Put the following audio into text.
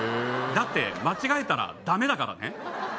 だって間違えたらダメだからね。